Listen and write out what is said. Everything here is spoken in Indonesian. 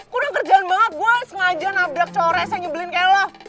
kurang kerjaan banget gua sengaja nabrak cowok resah nyebelin kayak lu